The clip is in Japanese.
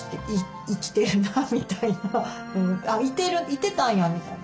いてたんやみたいな。